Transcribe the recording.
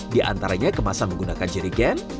di antaranya kemasan menggunakan jerigen